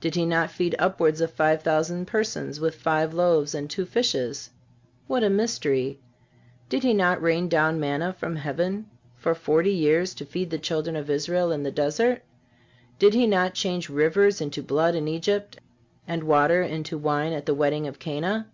Did He not feed upwards of five thousand persons with five loaves and two fishes? What a mystery! Did He not rain down manna from heaven for forty years to feed the children of Israel in the desert? Did He not change rivers into blood in Egypt, and water into wine at the wedding of Cana?